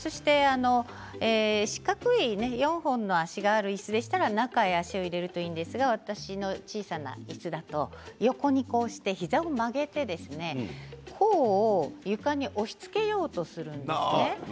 四角い４本の脚があるいすですと中に足を入れるといいんですけどこの小さないすを横にして膝を曲げて甲を床に押しつけようとするんですね。